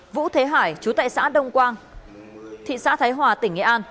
vũ thế hải chú tại xã đông quang thị xã thái hòa tỉnh nghệ an